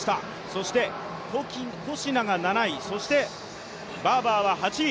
そしてコシナが７位そしてバーバーは８位。